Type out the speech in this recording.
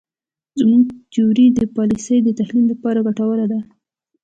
زموږ تیوري د پالیسیو د تحلیل لپاره ګټوره ده.